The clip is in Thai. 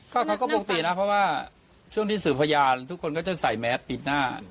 เขาก็ปกตินะเพราะว่าช่วงที่สื่อพยานทุกคนก็จะใส่แมสปิดหน้า